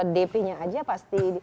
dp nya aja pasti